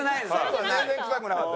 全然臭くなかった。